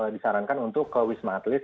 disarankan untuk ke wisma atlet